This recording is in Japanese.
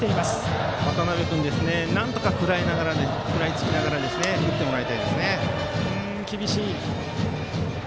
渡邉君なんとか食らいつきながら打ってもらいたいですね。